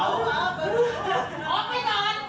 อย่าให้มันเดินเข้ามาอย่างนี้